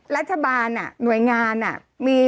รัฐบาลน่ะหน่วยงานน่ะ